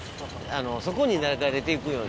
そこに流れて行くように。